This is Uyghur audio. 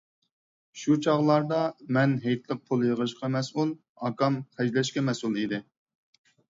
شۇ چاغلاردا، مەن ھېيتلىق پۇل يىغىشقا مەسئۇل ، ئاكام خەجلەشكە مەسئۇل ئىدى.